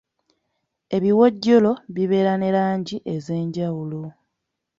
Ebiwojjolo bibeera ne langi ez'enjawulo.